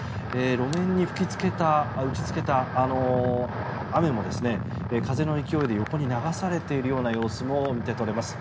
路面に打ちつけた雨も風の勢いで横に流されている様子も見て取れます。